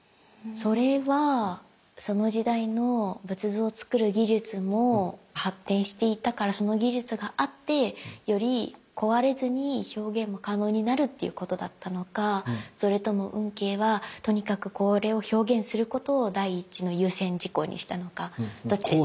それはその時代の仏像をつくる技術も発展していたからその技術があってより壊れずに表現も可能になるということだったのかそれとも運慶はとにかくこれを表現することを第一の優先事項にしたのかどっちですか？